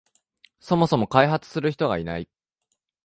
そもそも開発する人がいない